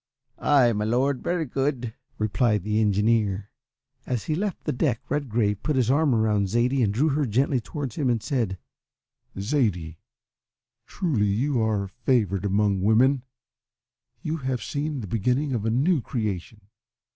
"Ay, my Lord, very good," replied the engineer. As he left the deck Redgrave put his arm round Zaidie and drew her gently towards him and said, "Zaidie, truly you are favoured among women! You have seen the beginning of a new creation.